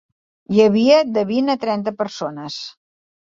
Hi havia de vint a trenta persones.